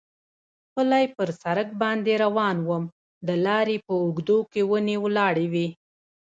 پلی پر سړک باندې روان شوم، د لارې په اوږدو کې ونې ولاړې وې.